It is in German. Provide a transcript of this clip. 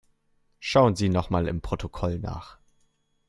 Schauen Sie noch mal im Protokoll nach.